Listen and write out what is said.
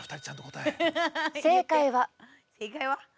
正解は。